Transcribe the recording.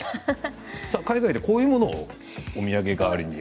海外で、こういうものをお土産代わりに。